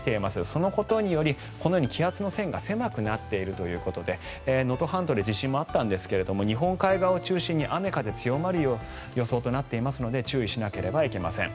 そのことによりこのように気圧の線が狭くなっているということで能登半島で地震もあったんですが日本海側を中心に雨、風強まる予想となっていますので注意しなければいけません。